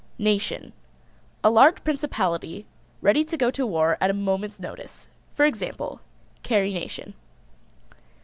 NATION. A large principality ready to go to war at a moment's notice. For example: Carrie Nation.